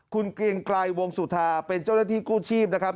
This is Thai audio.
คุณเกรียงไกรวงสุธาเป็นเจ้าหน้าที่กู้ชีพนะครับ